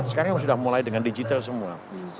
sekarang sudah mulai dengan digital semua